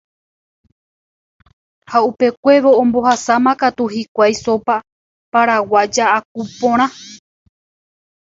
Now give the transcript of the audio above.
ha upekuévo ombohasámakatu hikuái sopa paraguaya aku porã